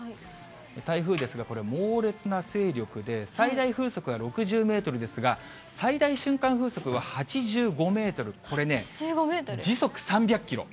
台風ですが、これ、猛烈な勢力で、最大風速は６０メートルですが、最大瞬間風速は８５メートル、これ、時速３００キロ。